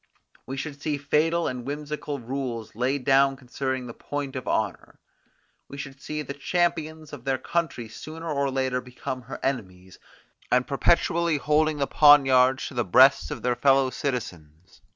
We should see fatal and whimsical rules laid down concerning the point of honour. We should see the champions of their country sooner or later become her enemies, and perpetually holding their poniards to the breasts of their fellow citizens.